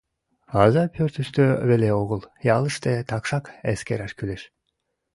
Аза пӧртыштӧ веле огыл, ялыште такшат эскераш кӱлеш.